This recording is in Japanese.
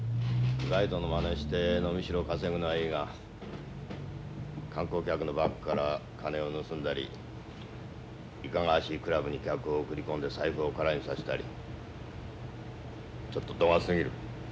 ガイドのまねして飲み代稼ぐのはいいが観光客のバッグから金を盗んだりいかがわしいクラブに客を送り込んで財布を空にさせたりちょっと度がすぎる。